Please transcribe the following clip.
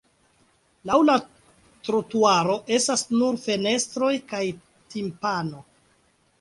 Laŭ la trotuaro estas nur fenestroj kaj timpano.